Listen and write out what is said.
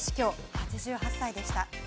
８８歳でした。